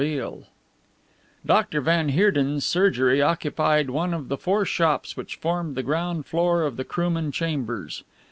BEALE Dr. van Heerden's surgery occupied one of the four shops which formed the ground floor of the Krooman Chambers.